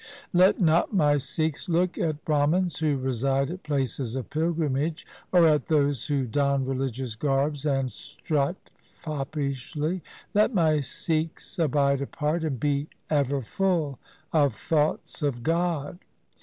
Let not my Sikhs look at Brahmans who reside at places of pilgrimage, or at those who don religious garbs and strut foppishly. Let my Sikhs abide apart, and be ever full of thoughts of God.